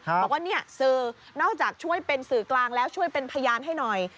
บอกว่าเนี่ยสื่อนอกจากช่วยเป็นสื่อกลางแล้วช่วยเป็นพยานให้หน่อย